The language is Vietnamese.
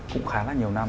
cũng khá là nhiều năm